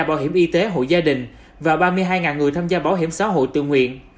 bảo hiểm y tế hội gia đình và ba mươi hai người tham gia bảo hiểm xã hội tự nguyện